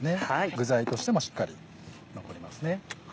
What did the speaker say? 具材としてもしっかり残ります。